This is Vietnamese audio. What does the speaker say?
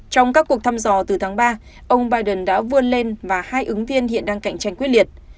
trong các cuộc thăm dò từ tháng ba ông biden đã vươn lên và hai ứng viên hiện đang cạnh tranh quyết liệt